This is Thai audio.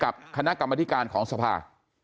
คณะกรรมธิการของสภา